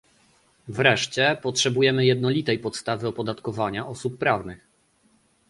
Wreszcie, potrzebujemy jednolitej podstawy opodatkowania osób prawnych